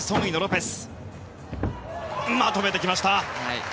まとめてきました。